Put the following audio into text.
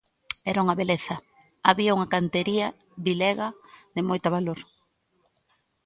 Era unha beleza, había unha cantería vilega de moito valor.